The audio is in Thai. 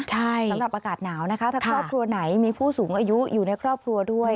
ใช่สำหรับอากาศหนาวนะคะถ้าครอบครัวไหนมีผู้สูงอายุอยู่ในครอบครัวด้วย